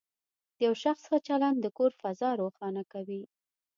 د یو شخص ښه چلند د کور فضا روښانه کوي.